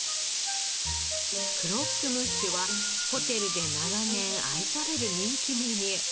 クロックムッシュはホテルで長年愛される人気メニュー。